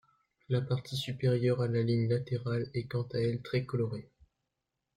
La partie supérieure à la ligne latérale est quant à elle très colorée.